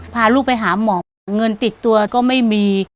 พาลูกไปหาหมอเงินติดตัวก็ไม่มี